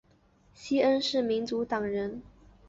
西恩是民主党人。